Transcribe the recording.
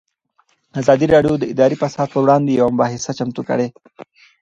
ازادي راډیو د اداري فساد پر وړاندې یوه مباحثه چمتو کړې.